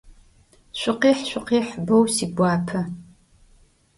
Şükhih, şsukhih! Bou siguape.